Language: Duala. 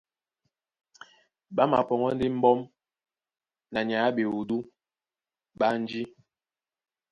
Ɓá mapɔŋgɔ́ ndé mbɔ́m na nyay á ɓewudú ɓé ánjí,